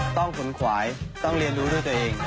ขนขวายต้องเรียนรู้ด้วยตัวเอง